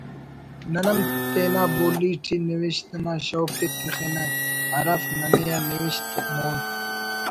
نن ہم تینا بولی ٹی نوشت نا شوق ءِ تخنہ ہرافک ننے آ نوشت مون